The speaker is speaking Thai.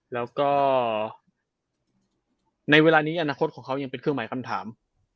แล้วก็ในเวลานี้อนาคตของเขายังเป็นเครื่องหมายคำถาม